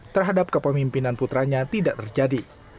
terhadap kepemimpinan putranya tidak terjadi